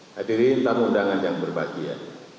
hadirin tamu undangan yang berbahagia